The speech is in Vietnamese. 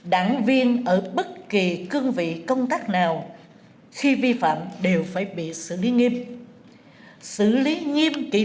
đảng viên ở bất kỳ cương vị công tác nào khi vi phạm đều phải bị xử lý nghiêm